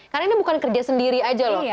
karena ini bukan kerja sendiri aja loh